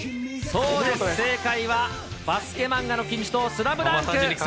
そうです、正解はバスケ漫画の金字塔、スラムダンク。